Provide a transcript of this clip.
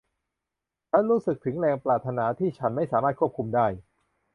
ฉันรู้สึกถึงแรงปรารถนาที่ฉันไม่สามารถควบคุมได้